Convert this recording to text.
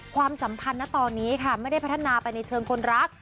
ความสัมพันธ์นะตอนนี้ค่ะไม่ได้พัฒนาไปในเชิงคนรัก